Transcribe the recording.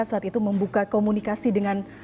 saat itu membuka komunikasi dengan